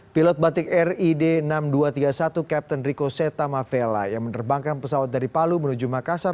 pilot batik rid enam ribu dua ratus tiga puluh satu captain rico seta mavella yang menerbangkan pesawat dari palu menuju makassar